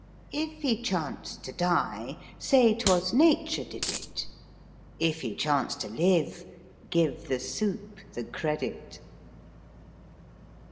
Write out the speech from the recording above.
If he chance to die. Say 'twas Nature did it: If ho chance to live, Give the soup the credit.